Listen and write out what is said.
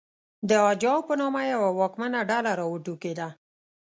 د اجاو په نامه یوه واکمنه ډله راوټوکېده